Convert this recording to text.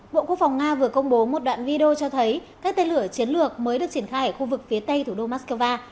bộ quốc phòng nga vừa công bố một đoạn video cho thấy các tên lửa chiến lược mới được triển khai ở khu vực phía tây thủ đô moscow